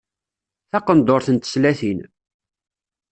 Taqendurt n teslatin.